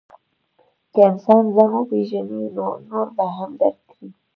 که انسان ځان وپېژني، نو نور به هم درک کړي.